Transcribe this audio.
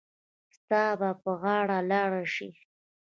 ستا به په غاړه لار شي.